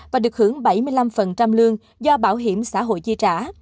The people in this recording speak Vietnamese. và được hưởng bảy mươi năm lương do bảo hiểm xã hội chi trả